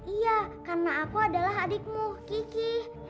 iya karena aku adalah adikmu kiki